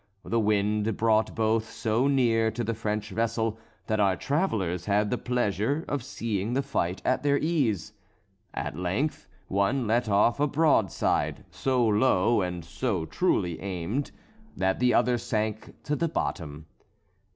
The wind brought both so near to the French vessel that our travellers had the pleasure of seeing the fight at their ease. At length one let off a broadside, so low and so truly aimed, that the other sank to the bottom.